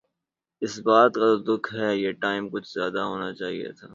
اسی بات کا تو دکھ ہے۔ یہ ٹائم کچھ زیادہ ہونا چاہئے تھا